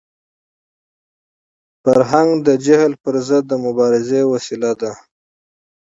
فرهنګ د جهل پر ضد د مبارزې وسیله ده.